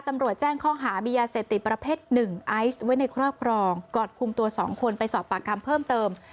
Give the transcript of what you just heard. ตำรวจแจ้งข้อหามียาเสพติดประเภทหนึ่งไอซ์ไว้ในครอบครองก่อนคุมตัว๒คนไปสอบปากคำเพิ่มเติม